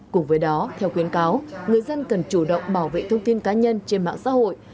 cùng với đó theo khuyến cáo người dân cần chủ động bảo vệ thông tin cá nhân trên mạng xã hội